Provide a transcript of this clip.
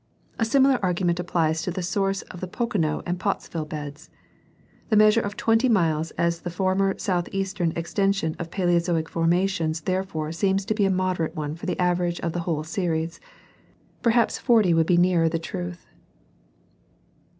A similar argument applies to the source of the Pocono and Pottsville beds. The measure of twenty miles as the former southeastern extension of the paleozoic formations there fore seems to be a moderate one for the average of the whole series ; perhaps forty would be nearer the truth.